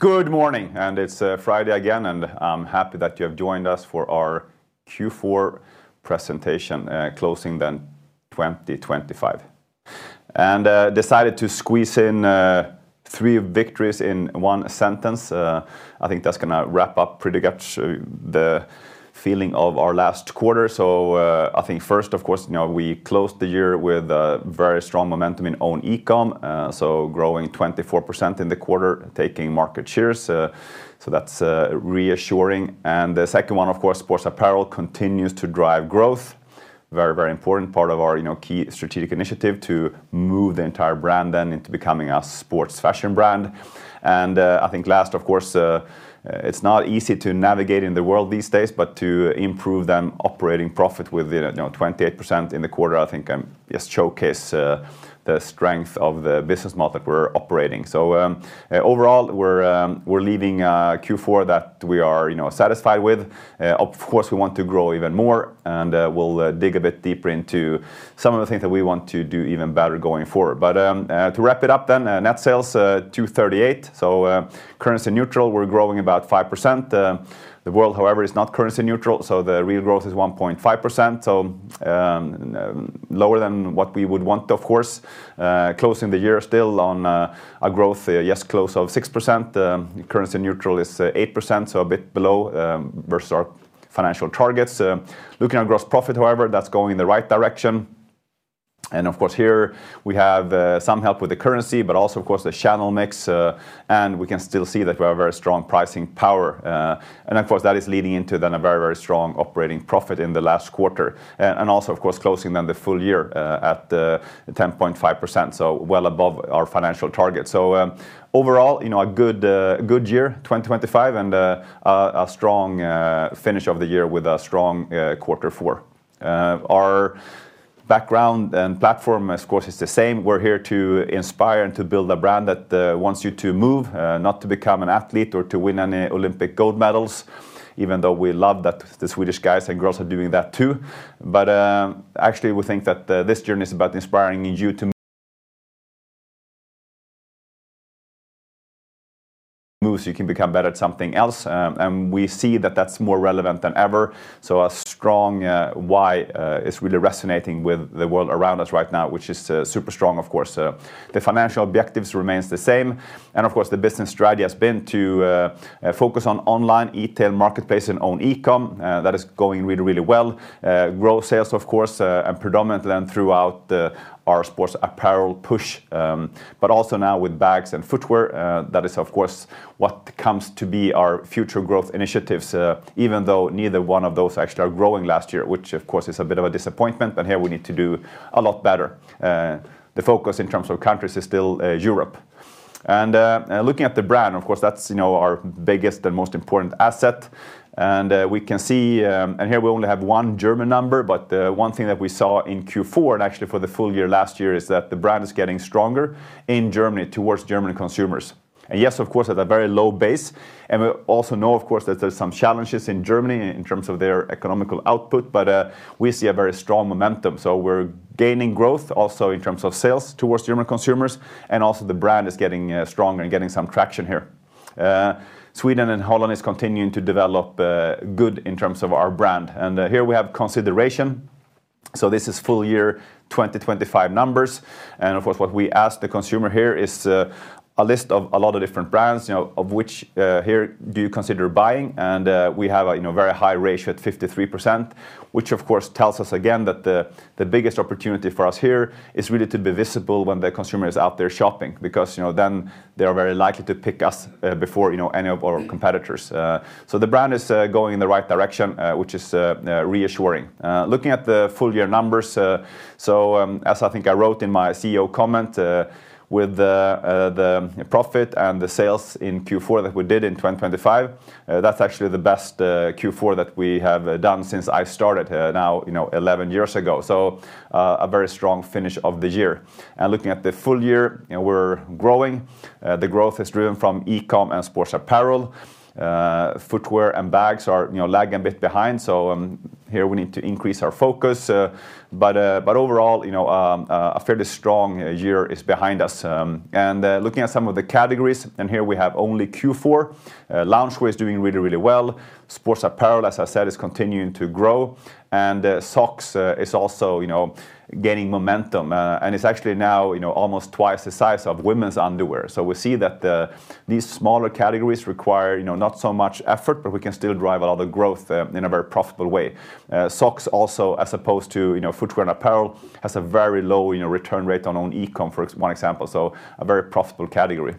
Good morning, and it's Friday again, and I'm happy that you have joined us for our Q4 presentation, closing the 2025. And decided to squeeze in three victories in one sentence. I think that's gonna wrap up pretty much the feeling of our last quarter. So, I think first, of course we closed the year with very strong momentum in own e-com, so growing 24% in the quarter, taking market shares. So that's reassuring. And the second one, of course, sports apparel continues to drive growth. Very, very important part of our key strategic initiative to move the entire brand then into becoming a sports fashion brand. I think last, of course, it's not easy to navigate in the world these days, but to improve then operating profit within, you know, 28% in the quarter, I think, yes, showcase the strength of the business model that we're operating. So, overall, we're leaving a Q4 that we are, you know, satisfied with. Of course, we want to grow even more, and we'll dig a bit deeper into some of the things that we want to do even better going forward. But, to wrap it up then, net sales 238. So, currency neutral, we're growing about 5%. The world, however, is not currency neutral, so the real growth is 1.5% lower than what we would want, of course. Closing the year still on a growth, yes, close of 6%. Currency neutral is 8%, so a bit below versus our financial targets. Looking at gross profit, however, that's going in the right direction. And of course, here we have some help with the currency, but also, of course, the channel mix, and we can still see that we have a very strong pricing power. And of course, that is leading into then a very, very strong operating profit in the last quarter. And also, of course, closing down the full year at 10.5%, so well above our financial target. So, overall, you know, a good, a good year, 2025, and a strong finish of the year with a strong quarter four. Our background and platform, of course, is the same. We're here to inspire and to build a brand that wants you to move, not to become an athlete or to win any Olympic gold medals, even though we love that the Swedish guys and girls are doing that, too. But actually, we think that this journey is about inspiring you to move, you can become better at something else. And we see that that's more relevant than ever. So a strong why is really resonating with the world around us right now, which is super strong, of course. The financial objectives remains the same, and of course, the business strategy has been to focus on online, e-tail, marketplace, and own e-com. That is going really, really well. Grow sales, of course, and predominantly then throughout our sports apparel push, but also now with bags and footwear. That is, of course, what comes to be our future growth initiatives, even though neither one of those actually are growing last year, which of course, is a bit of a disappointment, but here we need to do a lot better. The focus in terms of countries is still Europe. Looking at the brand, of course, that's, you know, our biggest and most important asset. Here we only have one German number, but one thing that we saw in Q4, and actually for the full year last year, is that the brand is getting stronger in Germany, towards German consumers. And yes, of course, at a very low base, and we also know, of course, that there's some challenges in Germany in terms of their economic output, but we see a very strong momentum. So we're gaining growth also in terms of sales towards German consumers, and also the brand is getting stronger and getting some traction here. Sweden and Holland is continuing to develop good in terms of our brand. And here we have consideration. So this is full year 2025 numbers. And of course, what we ask the consumer here is a list of a lot of different brands of which here do you consider buying? We have a, you know, very high ratio at 53%, which, of course, tells us again that the biggest opportunity for us here is really to be visible when the consumer is out there shopping, because, you know, then they are very likely to pick us before, you know, any of our competitors. So the brand is going in the right direction, which is reassuring. Looking at the full year numbers as I think I wrote in my CEO comment, with the profit and the sales in Q4 that we did in 2025, that's actually the best Q4 that we have done since I started, now 11 years ago. So, a very strong finish of the year. And looking at the full year, you know, we're growing. The growth is driven from e-com and sports apparel. Footwear and bags are, you know, lagging a bit behind, so here we need to increase our focus. But overall, you know, a fairly strong year is behind us. Looking at some of the categories, and here we have only Q4, loungewear is doing really, really well. Sports apparel, as I said, is continuing to grow, and socks is also, you know, gaining momentum, and it's actually now almost twice the size of women's underwear. So we see that these smaller categories require, you know, not so much effort, but we can still drive a lot of growth in a very profitable way. Socks also, as opposed to, you know, footwear and apparel, has a very low, you know, return rate on own e-com, for example. So a very profitable category.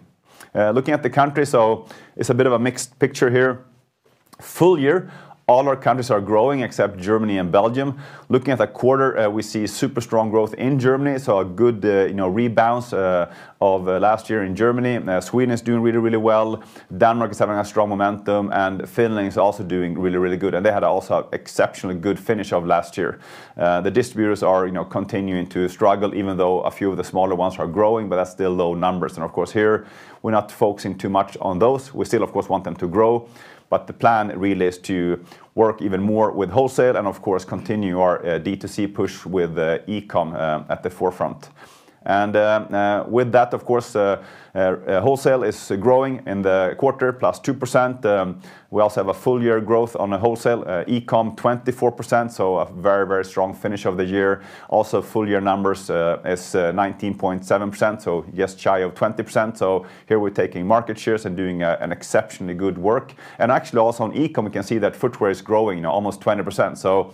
Looking at the country, so it's a bit of a mixed picture here. Full year, all our countries are growing except Germany and Belgium. Looking at the quarter, we see super strong growth in Germany, so a good rebalance of last year in Germany. Sweden is doing really, really well. Denmark is having a strong momentum, and Finland is also doing really, really good, and they had also exceptionally good finish of last year. The distributors are, you know, continuing to struggle, even though a few of the smaller ones are growing, but that's still low numbers. And of course, here, we're not focusing too much on those. We still, of course, want them to grow, but the plan really is to work even more with wholesale and, of course, continue our D2C push with e-com at the forefront. With that, of course, wholesale is growing in the quarter, +2%. We also have a full year growth on the wholesale e-com 24%, so a very, very strong finish of the year. Full year numbers is 19.7%, so just shy of 20%. So here we're taking market shares and doing an exceptionally good work. Actually, also on e-com, we can see that footwear is growing, you know, almost 20%. So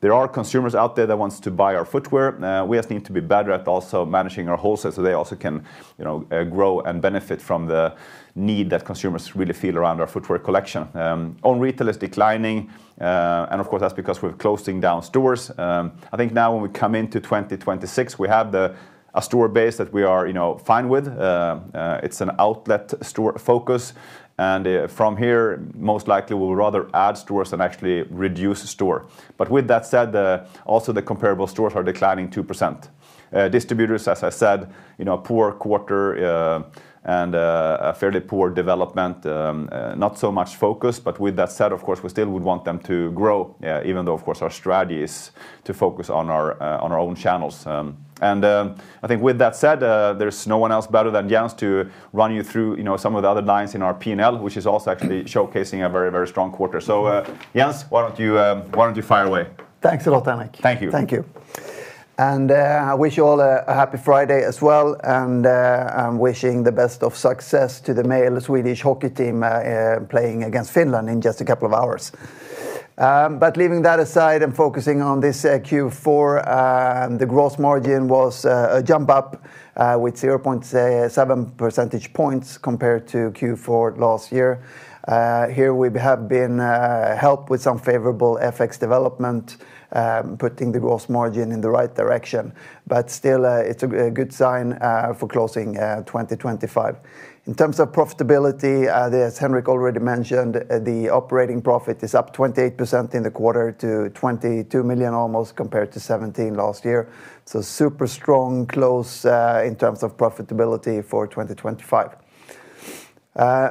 there are consumers out there that wants to buy our footwear. We just need to be better at also managing our wholesale, so they also can, you know, grow and benefit from the need that consumers really feel around our footwear collection. Own retail is declining, and of course, that's because we're closing down stores. I think now when we come into 2026, we have a store base that we are, you know, fine with. It's an outlet store focus, and from here, most likely we'll rather add stores than actually reduce store. But with that said, also the comparable stores are declining 2%. Distributors, as I said, you know, a poor quarter, and a fairly poor development. Not so much focus, but with that said, of course, we still would want them to grow, even though, of course, our strategy is to focus on our own channels. I think with that said, there's no one else better than Jens to run you through some of the other lines in our P&L, which is also actually showcasing a very, very strong quarter. Jens, why don't you fire away? Thanks a lot, Henrik. Thank you. Thank you. I wish you all a happy Friday as well, and I'm wishing the best of success to the male Swedish hockey team, playing against Finland in just a couple of hours. But leaving that aside and focusing on this, Q4, the gross margin was a jump up with 0.7 percentage points compared to Q4 last year. Here we have been helped with some favorable FX development, putting the gross margin in the right direction, but still, it's a good sign for closing 2025. In terms of profitability, as Henrik already mentioned, the operating profit is up 28% in the quarter to 22 million almost, compared to 17 million last year, so super strong close in terms of profitability for 2025.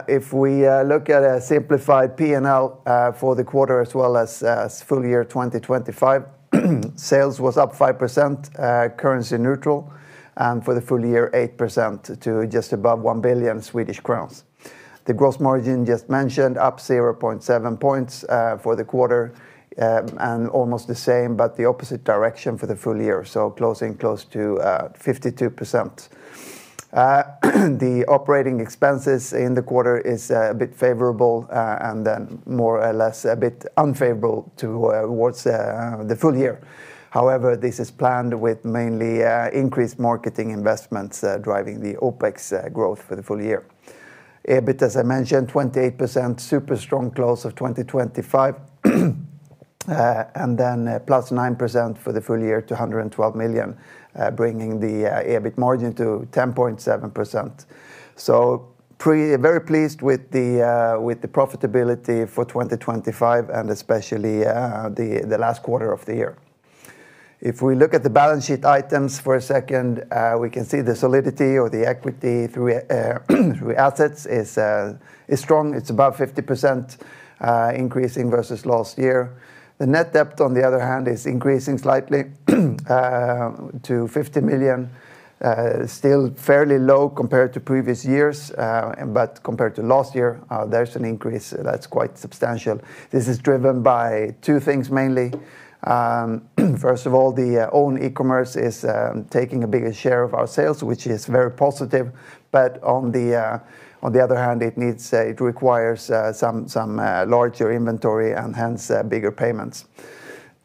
If we look at a simplified P&L for the quarter, as well as full year 2025, sales was up 5% currency neutral, and for the full year, 8%, to just above 1 billion Swedish crowns. The gross margin, just mentioned, up 0.7 points for the quarter, and almost the same, but the opposite direction for the full year, so closing close to 52%. The operating expenses in the quarter is a bit favorable, and then more or less, a bit unfavorable to towards the full year. However, this is planned with mainly increased marketing investments driving the OpEx growth for the full year. EBIT, as I mentioned, 28%, super strong close of 2025. +9% for the full year to 112 million, bringing the EBIT margin to 10.7%. So, very pleased with the profitability for 2025 and especially the last quarter of the year. If we look at the balance sheet items for a second, we can see the solidity or the equity to assets is strong. It's about 50%, increasing versus last year. The net debt, on the other hand, is increasing slightly to 50 million. Still fairly low compared to previous years, but compared to last year, there's an increase that's quite substantial. This is driven by two things, mainly. First of all, the own e-commerce is taking a bigger share of our sales, which is very positive. But on the other hand, it needs it requires some larger inventory and hence bigger payments.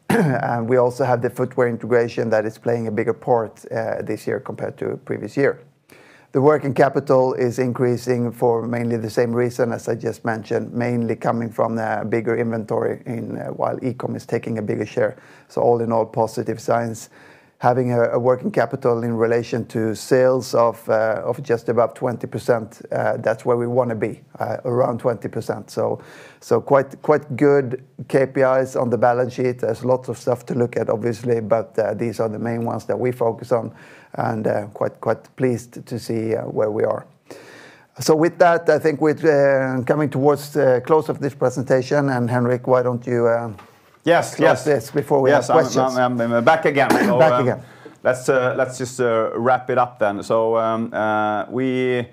And we also have the footwear integration that is playing a bigger part this year compared to previous year. The working capital is increasing for mainly the same reason as I just mentioned, mainly coming from the bigger inventory in, while e-com is taking a bigger share, so all in all, positive signs. Having a working capital in relation to sales of just about 20%, that's where we wanna be, around 20%. So quite good KPIs on the balance sheet. There's lots of stuff to look at, obviously, but these are the main ones that we focus on, and quite pleased to see where we are. So with that, I think we're coming towards the close of this presentation, and, Henrik, why don't you close this before we have questions. Yes, I'm back again. Back again. Let's just wrap it up then. So, we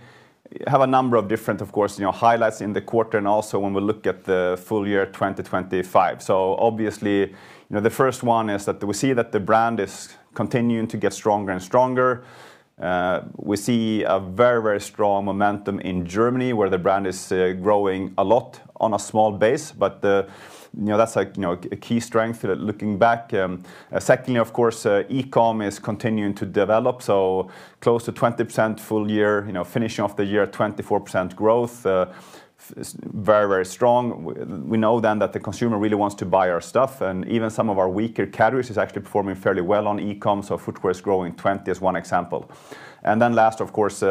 have a number of different, of course, you know, highlights in the quarter and also when we look at the full year, 2025. So obviously, you know, the first one is that we see that the brand is continuing to get stronger and stronger. We see a very, very strong momentum in Germany, where the brand is growing a lot on a small base, but you know, that's like, you know, a key strength that looking back. Secondly, of course, E-com is continuing to develop, so close to 20% full year, you know, finishing off the year 24% growth is very, very strong. We, we know then that the consumer really wants to buy our stuff, and even some of our weaker categories is actually performing fairly well on e-com. So footwear is growing 20, is one example. And then last, of course,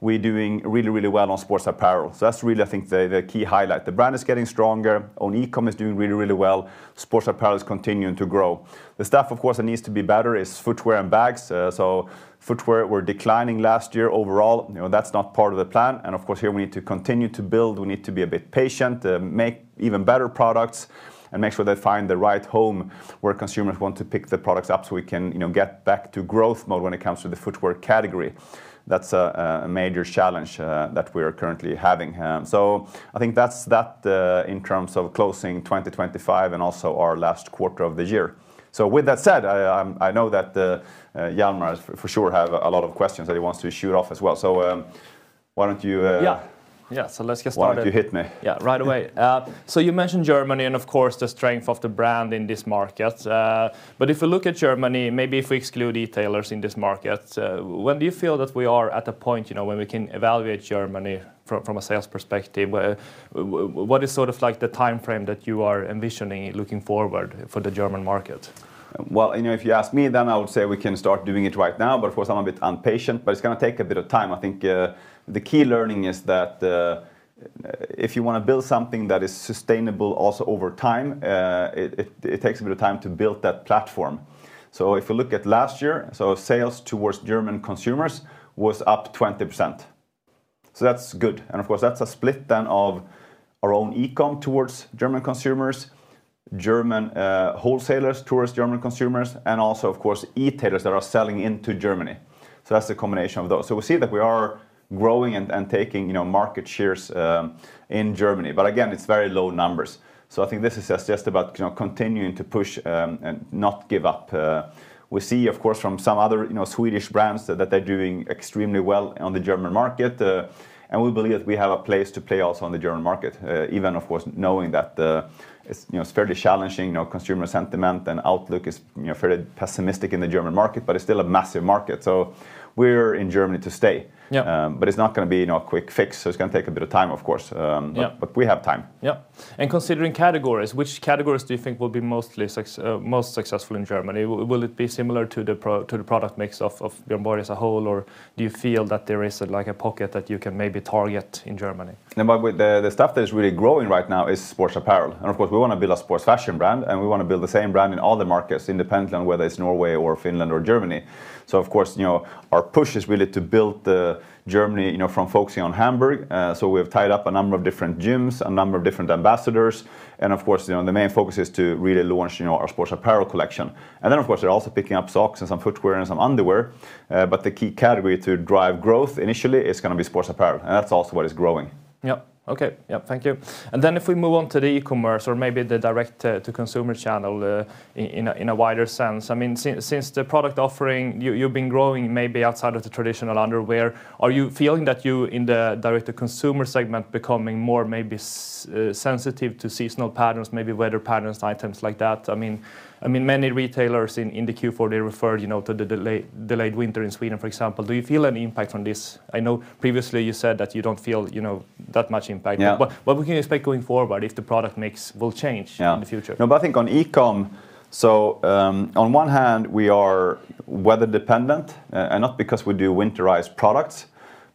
we're doing really, really well on sports apparel. So that's really, I think, the, the key highlight. The brand is getting stronger, on e-com is doing really, really well. Sports apparel is continuing to grow. The stuff, of course, that needs to be better is footwear and bags. So footwear were declining last year overall. You know, that's not part of the plan, and of course, here we need to continue to build. We need to be a bit patient, make even better products, and make sure they find the right home, where consumers want to pick the products up, so we can, you know, get back to growth mode when it comes to the footwear category. That's a major challenge that we are currently having. So I think that's that in terms of closing 2025 and also our last quarter of the year. So with that said, I know that Jan for sure have a lot of questions that he wants to shoot off as well. Yeah, so let's get started. Why don't you hit me? Yeah, right away. So you mentioned Germany, and of course, the strength of the brand in this market. But if you look at Germany, maybe if we exclude e-tailers in this market, when do you feel that we are at a point, you know, when we can evaluate Germany from, from a sales perspective? What is sort of like the time frame that you are envisioning looking forward for the German market? Well, you know, if you ask me, then I would say we can start doing it right now, but of course, I'm a bit impatient, but it's gonna take a bit of time. I think, the key learning is that, if you wanna build something that is sustainable also over time, it takes a bit of time to build that platform. So if you look at last year, so sales towards German consumers was up 20%, so that's good. And of course, that's a split then of our own e-com towards German consumers, German wholesalers towards German consumers, and also, of course, e-tailers that are selling into Germany. So that's a combination of those. So we see that we are growing and taking, you know, market shares in Germany. But again, it's very low numbers. So I think this is just about, you know, continuing to push, and not give up. We see, of course, from some other, you know, Swedish brands that they're doing extremely well on the German market, and we believe that we have a place to play also on the German market. Even, of course, knowing that, it's, you know, it's fairly challenging, you know, consumer sentiment, and outlook is, you know, fairly pessimistic in the German market, but it's still a massive market. So we're in Germany to stay. But it's not gonna be, you know, a quick fix, so it's gonna take a bit of time, of course. But we have time. Yeah. And considering categories, which categories do you think will be most successful in Germany? Will it be similar to the product mix of Björn Borg as a whole, or do you feel that there is, like, a pocket that you can maybe target in Germany? No, but with the stuff that is really growing right now is sports apparel. And of course, we wanna build a sports fashion brand, and we wanna build the same brand in all the markets, independent on whether it's Norway or Finland or Germany. So of course, you know, our push is really to build the Germany, you know, from focusing on Hamburg. So we have tied up a number of different gyms, a number of different ambassadors, and of course, you know, the main focus is to really launch, you know, our sports apparel collection. And then, of course, they're also picking up socks and some footwear and some underwear, but the key category to drive growth initially is gonna be sports apparel, and that's also what is growing. Yep. Okay. Yep, thank you. And then if we move on to the e-commerce or maybe the direct to consumer channel, in a wider sense, I mean, since the product offering, you've been growing maybe outside of the traditional underwear, are you feeling that you in the direct to consumer segment becoming more maybe sensitive to seasonal patterns, maybe weather patterns, items like that? I mean, many retailers in the Q4, they referred, you know, to the delayed winter in Sweden, for example. Do you feel any impact on this? I know previously you said that you don't feel, you know, that much impact. But what we can expect going forward if the product mix will change in the future? No, but I think on e-com, so, on one hand, we are weather dependent, and not because we do winterized products,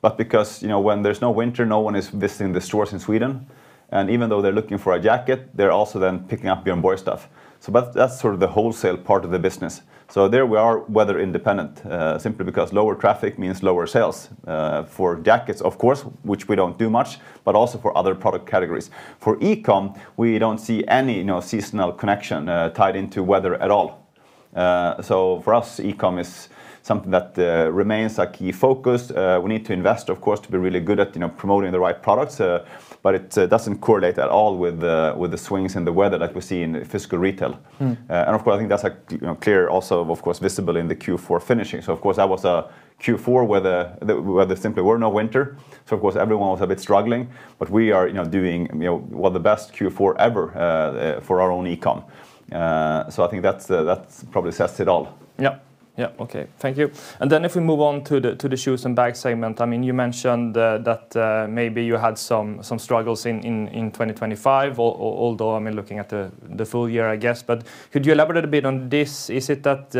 but because, you know, when there's no winter, no one is visiting the stores in Sweden. And even though they're looking for a jacket, they're also then picking up Björn Borg stuff. So but that's sort of the wholesale part of the business. So there we are weather independent, simply because lower traffic means lower sales, for jackets, of course, which we don't do much, but also for other product categories. For e-com, we don't see any, you know, seasonal connection, tied into weather at all. So for us, e-com is something that, remains a key focus. We need to invest, of course, to be really good at, you know, promoting the right products, but it doesn't correlate at all with the swings in the weather like we see in physical retail. And of course, I think that's, you know, clear also, of course, visible in the Q4 finishing. So of course, that was a Q4 weather, where there simply were no winter, so of course, everyone was a bit struggling. But we are, you know, doing, you know, well, the best Q4 ever for our own e-com. So I think that's, that's probably says it all. Okay, thank you. And then if we move on to the shoes and bags segment, I mean, you mentioned that maybe you had some struggles in 2025, although, I mean, looking at the full year, I guess. But could you elaborate a bit on this? Is it that,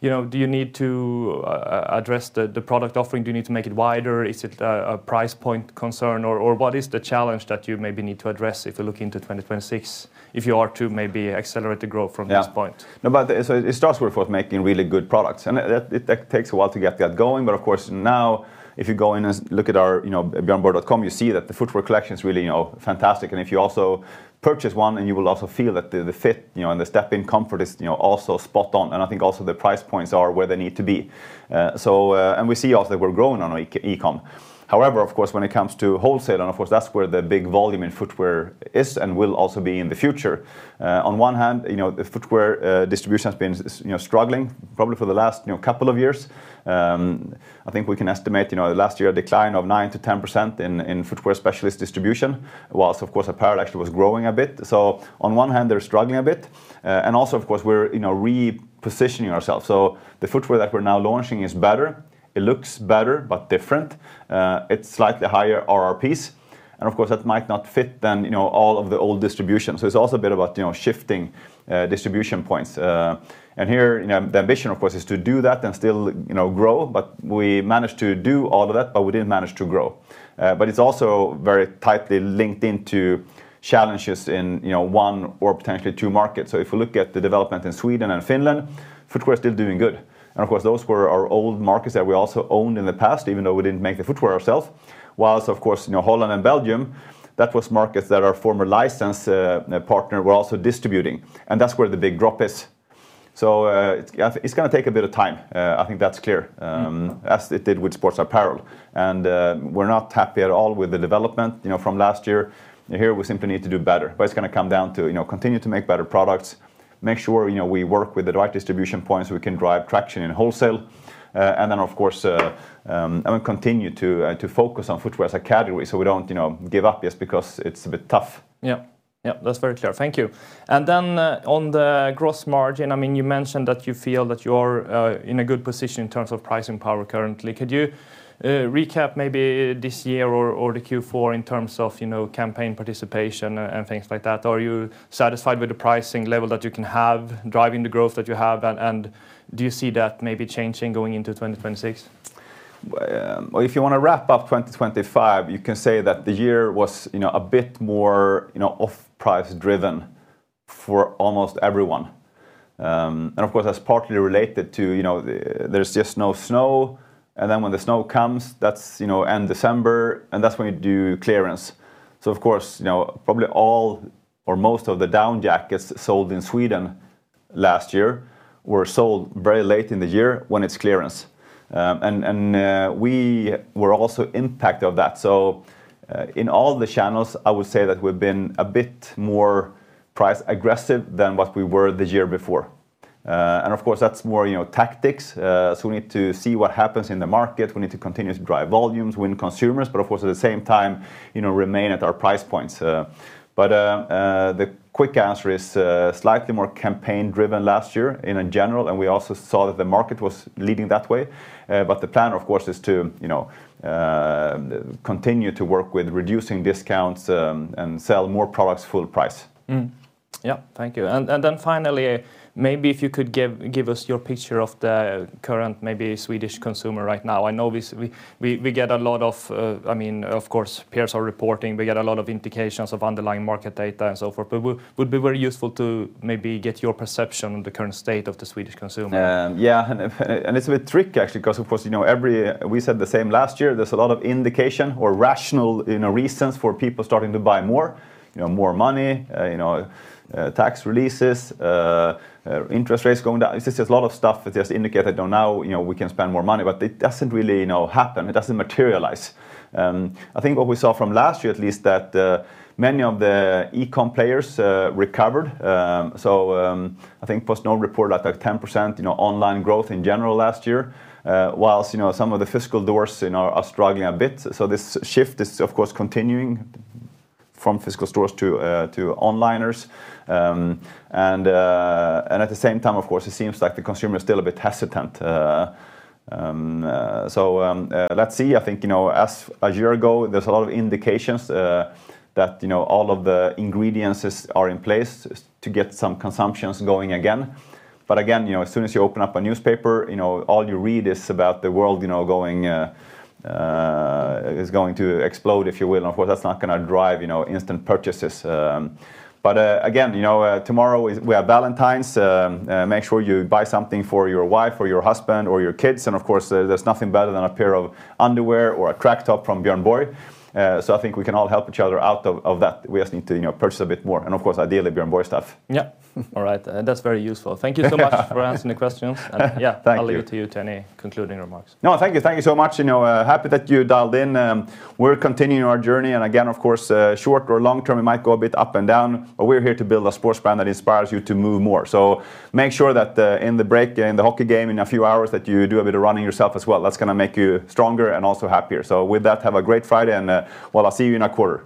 you know, do you need to address the product offering? Do you need to make it wider? Is it a price point concern, or what is the challenge that you maybe need to address if you're looking to 2026, if you are to maybe accelerate the growth from this point? Yeah. No, but it starts with making really good products, and that takes a while to get that going. But of course, now, if you go in and look at our, you know, bjornborg.com, you see that the footwear collection is really, you know, fantastic. And if you also purchase one, and you will also feel that the fit, you know, and the step-in comfort is, you know, also spot on. And I think also the price points are where they need to be. And we see also that we're growing on e-com. However, of course, when it comes to wholesale, and of course, that's where the big volume in footwear is and will also be in the future. On one hand, you know, the footwear distribution has been, you know, struggling probably for the last, you know, couple of years. I think we can estimate, you know, last year, a decline of 9%-10% in footwear specialist distribution, whilst, of course, apparel actually was growing a bit. So on one hand, they're struggling a bit, and also, of course, we're, you know, repositioning ourselves. So the footwear that we're now launching is better. It looks better, but different. It's slightly higher RRPs, and, of course, that might not fit than, you know, all of the old distributions. So it's also a bit about, you know, shifting distribution points. And here, you know, the ambition, of course, is to do that and still, you know, grow. But we managed to do all of that, but we didn't manage to grow. But it's also very tightly linked into challenges in, you know, one or potentially two markets. So if we look at the development in Sweden and Finland, footwear is still doing good. And, of course, those were our old markets that we also owned in the past, even though we didn't make the footwear ourself. Whilst, of course, you know, Holland and Belgium, that was markets that our former license partner were also distributing, and that's where the big drop is. So, it's gonna take a bit of time. I think that's clear, as it did with sports apparel. And, we're not happy at all with the development, you know, from last year. Here we simply need to do better, but it's gonna come down to, you know, continue to make better products, make sure, you know, we work with the right distribution points, we can drive traction in wholesale, and then, of course, we continue to focus on footwear as a category, so we don't, you know, give up just because it's a bit tough. Yeah, that's very clear. Thank you. And then, on the gross margin, I mean, you mentioned that you feel that you're, in a good position in terms of pricing power currently. Could you, recap maybe this year or, or the Q4 in terms of, you know, campaign participation and things like that? Are you satisfied with the pricing level that you can have, driving the growth that you have, and, and do you see that maybe changing, going into 2026? Well, if you wanna wrap up 2025, you can say that the year was, you know, a bit more, you know, off-price driven for almost everyone. And, of course, that's partly related to, you know, the, there's just no snow, and then when the snow comes, that's, you know, end December, and that's when you do clearance. So, of course, you know, probably all or most of the down jackets sold in Sweden last year were sold very late in the year when it's clearance. And we were also impacted by that. So, in all the channels, I would say that we've been a bit more price aggressive than what we were the year before. And of course, that's more, you know, tactics. So we need to see what happens in the market. We need to continue to drive volumes, win consumers, but of course, at the same time, you know, remain at our price points. The quick answer is, slightly more campaign-driven last year in a general, and we also saw that the market was leading that way. But the plan, of course, is to, you know, continue to work with reducing discounts, and sell more products full price. Yeah, thank you. And then finally, maybe if you could give us your picture of the current, maybe Swedish consumer right now. I know we get a lot of course, peers are reporting, we get a lot of indications of underlying market data and so forth. But would be very useful to maybe get your perception on the current state of the Swedish consumer. Yeah, and it's a bit tricky, actually, 'cause, of course, we said the same last year, there's a lot of indication or rational, you know, reasons for people starting to buy more, you know, more money, tax releases, interest rates going down. It's just a lot of stuff that just indicated, though now we can spend more money, but it doesn't really happen. It doesn't materialize. I think what we saw from last year, at least, that many of the e-com players recovered. So, I think PostNord reported, like, a 10% online growth in general last year, while some of the physical stores are struggling a bit. So this shift is, of course, continuing from physical stores to onliners. At the same time, of course, it seems like the consumer is still a bit hesitant. So, let's see. You know, as a year ago, there's a lot of indications that all of the ingredients are in place to get some consumptions going again. But again as soon as you open up a newspaper, you know, all you read is about the world, you know, going is going to explode, if you will. Of course, that's not gonna drive, you know, instant purchases. But, again, tomorrow is, we have Valentine's. Make sure you buy something for your wife, or your husband, or your kids, and of course, there's nothing better than a pair of underwear or a track top from Björn Borg. I think we can all help each other out of that. We just need to purchase a bit more, and of course, ideally, Björn Borg stuff. Yeah. All right, that's very useful. Thank you so much for answering the questions. Thank you. Yeah, I'll leave it to you to any concluding remarks. No, thank you. Thank you so much. Happy that you dialed in. We're continuing our journey, and again, of course, short or long term, it might go a bit up and down, but we're here to build a sports brand that inspires you to move more. So make sure that, in the break, in the hockey game, in a few hours, that you do a bit of running yourself as well. That's gonna make you stronger and also happier. So with that, have a great Friday, and, well see you in a quarter.